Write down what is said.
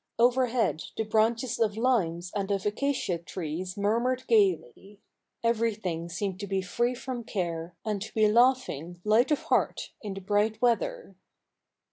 Overhead the branches of limes and of acacia trees murmured gaily. Everything seemed to be free from care, and to be laughing, light of heart, in the bright weather.'